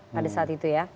pada saat itu ya